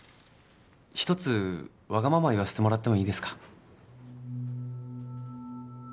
一つわがまま言わせてもらってもいいですか？